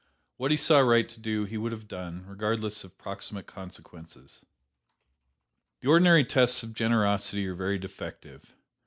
What he saw right to do he would have done, regardless of proximate consequences. "The ordinary tests of generosity are very defective.